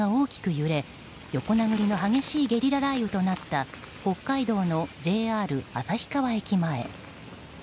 揺れ横殴りの激しいゲリラ雷雨となった北海道のＪＲ旭川駅前。